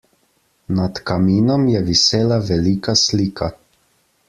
Nad kaminom je visela velika slika.